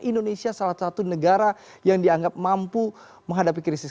indonesia salah satu negara yang dianggap mampu menghadapi krisis